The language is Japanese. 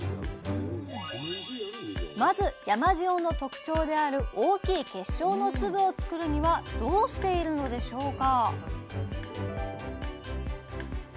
まず山塩の特徴である大きい結晶の粒をつくるにはどうしているのでしょうか？